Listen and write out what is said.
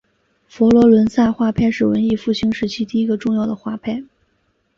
佛罗伦萨画派是文艺复兴时期第一个重要的画派。